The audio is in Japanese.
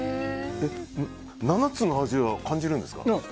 ７つの味は感じるんですか？